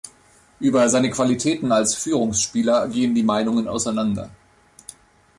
Über seine Qualitäten als Führungsspieler gehen die Meinungen auseinander.